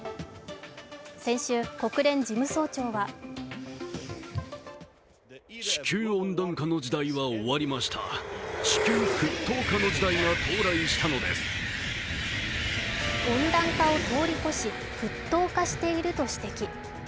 先週、国連事務総長は温暖化を通り越し、沸騰化していると指摘。